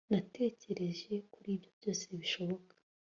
natekereje kuri ibyo byose bishoboka